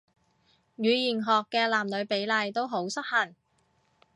語言學嘅男女比例都好失衡